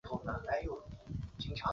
片仓町车站的铁路车站。